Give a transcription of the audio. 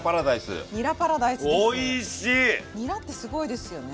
にらってすごいですよね。